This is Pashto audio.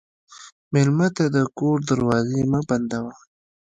مېلمه ته د کور دروازې مه بندوه.